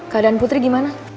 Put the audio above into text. keadaan putri gimana